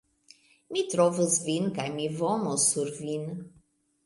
Mi trovos vin kaj mi vomos sur vin